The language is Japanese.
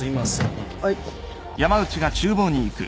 はい。